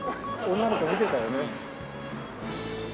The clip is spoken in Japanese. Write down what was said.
女の子見てたよね。